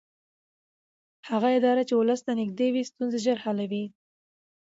هغه اداره چې ولس ته نږدې وي ستونزې ژر حلوي